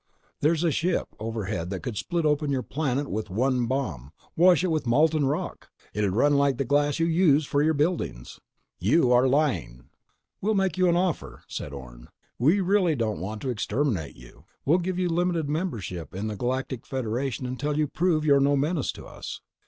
There's a ship overhead that could split open your planet with one bomb—wash it with molten rock. It'd run like the glass you use for your buildings." "You are lying!" "We'll make you an offer," said Orne. "We don't really want to exterminate you. We'll give you limited membership in the Galactic Federation until you prove you're no menace to us."